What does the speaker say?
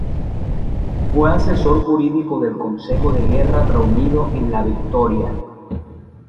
Fue asesor jurídico del Consejo de Guerra reunido en La Victoria.